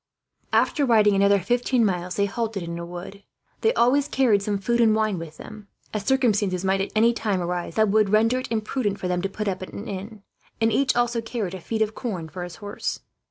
After riding another fifteen miles, they halted in a wood. They always carried some food and wine with them, as circumstances might at any time arise that would render it imprudent for them to put up at an inn; and each also carried a feed of corn for his horse.